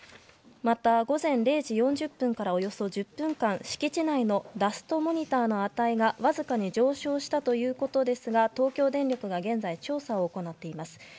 また、午前０時４０分からおよそ１０分間敷地内のダストモニターの値がわずかに上昇したということですが東京電力が現在、調査を行っています。